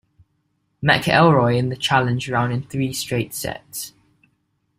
McElroy in the challenge round in three straight sets.